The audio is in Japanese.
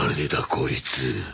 こいつ。